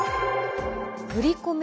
振り込め